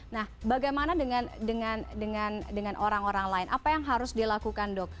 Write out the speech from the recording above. nah bagaimana dengan orang orang lain apa yang harus dilakukan dok